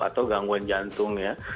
atau gangguan jantung ya